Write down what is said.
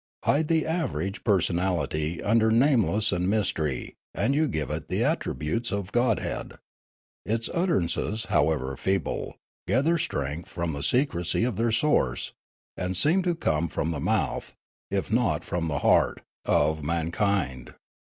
Hide the average personality under namelessness and mystery, and you give it the attributes of godhead ; its utterances, however feeble, gather strength from the secrecy of their source, and seem to come from the mouth, if not from the heart, of mankind.